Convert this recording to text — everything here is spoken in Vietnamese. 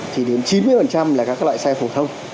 thì đến chín mươi là các loại xe phổ thông